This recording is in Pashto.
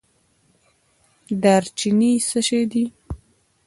دارچینی څه شی دی؟